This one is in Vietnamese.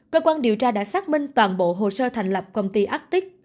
cơ quan điều tra đã xác minh toàn bộ hồ sơ thành lập công ty attic